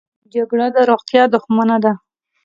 جګړه د روغتیا دښمنه ده